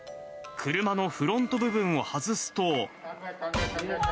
車のフロント部分を外すと。